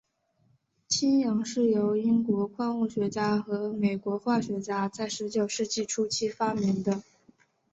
氢氧是由英国矿物学家和美国化学家在十九世纪初期发明的。